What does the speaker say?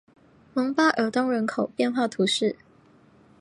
蒙巴尔东人口变化图示